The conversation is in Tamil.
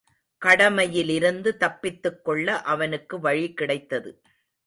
கடமையிலிருந்து தப்பித்துக் கொள்ள அவனுக்கு வழி கிடைத்தது.